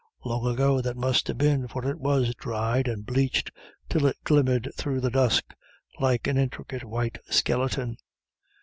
Long ago that must have been, for it was dried and bleached till it glimmered through the dusk like an intricate white skeleton.